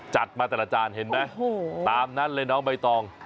จัดมาแต่ละจานเห็นไหมตามนั้นเลยน้องใบตอง